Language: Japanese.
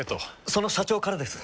その社長からです。